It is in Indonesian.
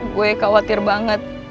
gue khawatir banget